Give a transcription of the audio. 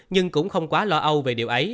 nhưng cũng không quá lo âu về điều ấy